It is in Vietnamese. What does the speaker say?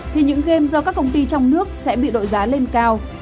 thì những game do các công ty trong nước sẽ bị đội giá lên cao